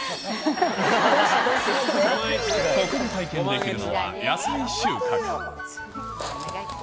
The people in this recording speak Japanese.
ここで体験できるのは野菜収穫。